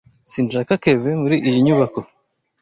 Sinshaka Kevin muri iyi nyubako.